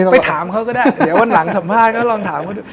ไปถามเขาก็ได้เดี๋ยววันหลังสัมภาษณ์ก็ลองถามเขาดู